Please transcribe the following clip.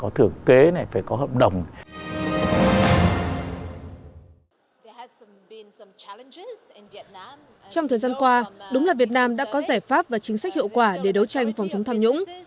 trong thời gian qua đúng là việt nam đã có giải pháp và chính sách hiệu quả để đấu tranh phòng chống tham nhũng